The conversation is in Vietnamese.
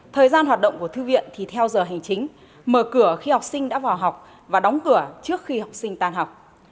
thời gian hoạt động của thư viện thì theo giờ hành chính mở cửa khi học sinh đã vào học và đóng cửa trước khi học sinh tan học